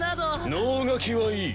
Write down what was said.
能書きはいい。